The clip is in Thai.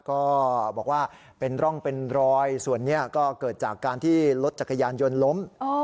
ก็บอกว่าเป็นร่องเป็นรอยส่วนนี้ก็เกิดจากการที่รถจักรยานยนต์ล้ม